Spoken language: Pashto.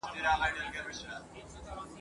موږ باید خپل کارونه د الله په نامه پیل کړو.